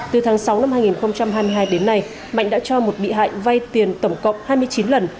từ tháng sáu năm hai nghìn hai mươi hai đến nay mạnh đã cho một bị hại vay tiền tổng cộng hai mươi chín lần